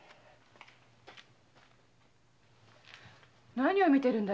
何を見てるんだ